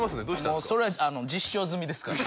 もうそれは実証済みですから。